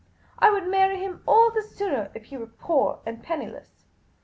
I woidd marry him all the sooner if he were poor anc penniless.